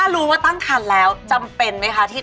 โรงพยาบาลพญาไทย๕